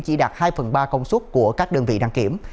chỉ đạt hai phần ba công suất của các đơn vị đăng kiểm